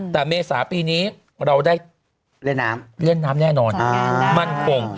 แต่เมษาปีนี้เราได้เล่นน้ำแน่นอนมั่นคง